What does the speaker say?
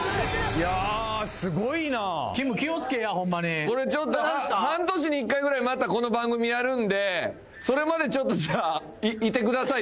いやあすごいなきむ気をつけやホンマにこれちょっと半年に１回ぐらいまたこの番組やるんでそれまでちょっとじゃあいてください